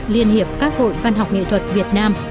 liên hiệp các hội văn học nghệ thuật việt nam